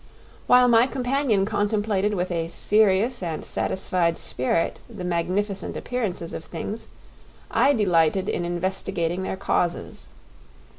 While my companion contemplated with a serious and satisfied spirit the magnificent appearances of things, I delighted in investigating their causes.